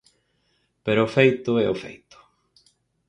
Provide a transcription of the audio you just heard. Pero o feito é o feito.